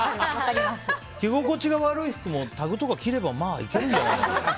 着心地が悪い服もタグとか切ればいけるんじゃないとか。